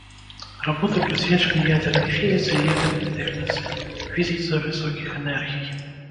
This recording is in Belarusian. Работы прысвечаны ядзернай фізіцы і ядзернай тэхніцы, фізіцы высокіх энергій.